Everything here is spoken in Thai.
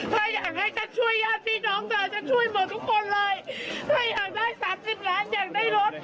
ก็อยากให้ฉันช่วยญาติพี่น้องเธอแต่ช่วยหมดแล้วไอ้ใจรัม